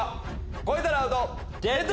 超えたらアウト！